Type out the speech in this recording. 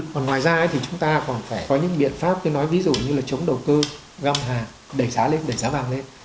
còn ngoài ra thì chúng ta còn phải có những biện pháp cứ nói ví dụ như là chống đầu cơ găm hàng đẩy giá lên đẩy giá vàng lên